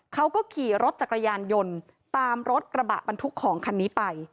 เขาก็ขี่รถจักรยานยนต์ตามรถกระบะบรรทุกของคันนี้ไป